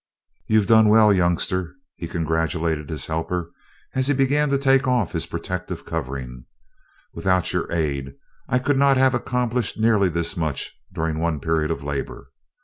"You have done well, youngster," he congratulated his helper, as he began to take off his protective covering, "Without your aid I could not have accomplished nearly this much during one period of labor.